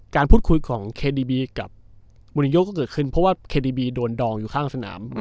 การพูดคุยของเคดีบีกับมูลิโยก็เกิดขึ้นเพราะว่าเคดีบีโดนดองอยู่ข้างสนาม